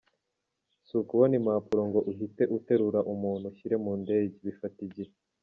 Si ukubona impapuro ngo uhite uterura umuntu ushyire mu ndege; bifata igihe.